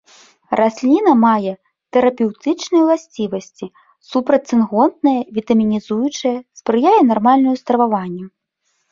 Расліна мае тэрапеўтычныя ўласцівасці, супрацьцынготныя, вітамінізуючыя, спрыяе нармальнаму страваванню.